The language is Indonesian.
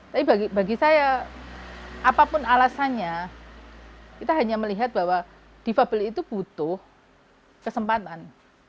tapi bagi saya apapun alasannya kita hanya melihat bahwa difabel itu butuh kesempatan